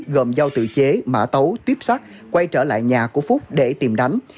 gồm dao tự chế mã tấu tiếp sắc quay trở lại nhà của phúc để tìm đánh